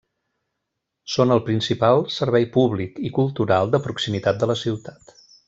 Són el principal servei públic i cultural de proximitat de la ciutat.